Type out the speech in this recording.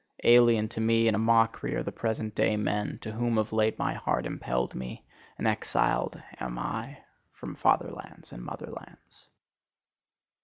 Alien to me, and a mockery, are the present day men, to whom of late my heart impelled me; and exiled am I from fatherlands and motherlands.